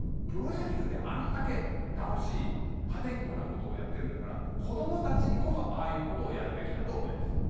プロ野球であれだけ楽しい破天荒な事をやってるんだから子どもたちにこそああいう事をやるべきだと思います。